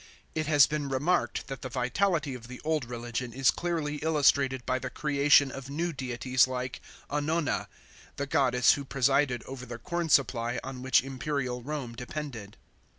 It has been remarked that the vitality of the old religion is clearly illustrated by the creation of new deities like Annona, — the goddess who presided over the corn supply on which imperial Rome depended.